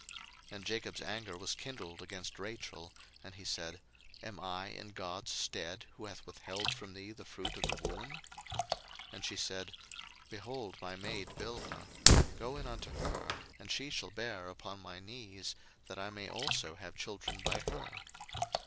01:030:002 And Jacob's anger was kindled against Rachel: and he said, Am I in God's stead, who hath withheld from thee the fruit of the womb? 01:030:003 And she said, Behold my maid Bilhah, go in unto her; and she shall bear upon my knees, that I may also have children by her.